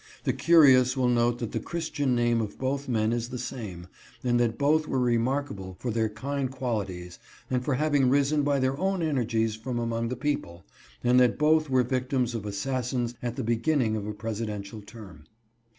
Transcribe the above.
The curious will note that the Christian name of both men is the same, and that both were remarkable for their kind quali ties and for having risen by their own energies from among the people, and that both were victims of assassins at the beginning of a presidential term.